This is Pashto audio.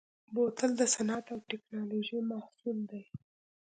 بوتل د صنعت او تکنالوژۍ محصول دی.